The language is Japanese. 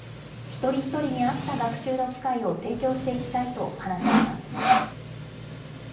一人一人に合った学習の機会を提供していきたいと話しています。